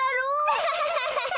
アハハハ！